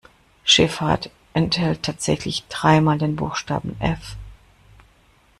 Schifffahrt enthält tatsächlich dreimal den Buchstaben F.